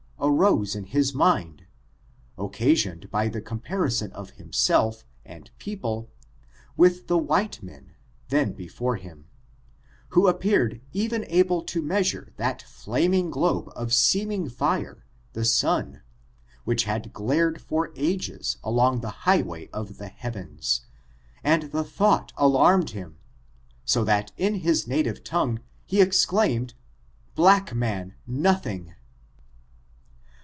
171 arose in his mind, occasioned by a comparison of himself and people with the white men then before him, who appeared able even to measure that flam ing globe of seeming fire, the sun, which had glared for ages along the highway of the heavens, and the thought alarmed him ; so that in his native tongue he exclaimed, ^ black man nothing."